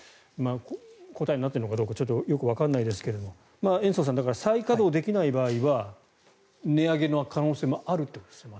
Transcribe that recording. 答えになっているのかどうかちょっとわからないですが延増さん、再稼働できない場合は値上げの可能性もあるということですよね。